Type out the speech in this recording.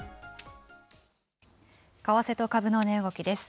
為替と株の値動きです。